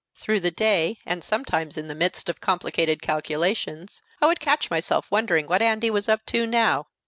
Through the day, and sometimes in the midst of complicated calculations, I would catch myself wondering what Andy was up to now!